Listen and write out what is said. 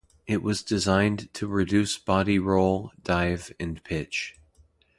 It was designed to reduce body roll, dive and pitch.